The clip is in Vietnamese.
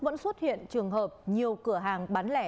vẫn xuất hiện trường hợp nhiều cửa hàng bán lẻ